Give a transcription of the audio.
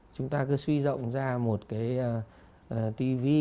chúng ta cứ suy rộng ra một cái tv